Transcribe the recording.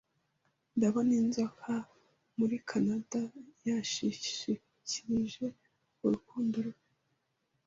Ndabona Inzoka muri Kanada yanshikirije urukundo rwe